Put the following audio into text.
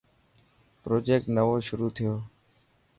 پروجيڪٽ نئون شروع ٿيو.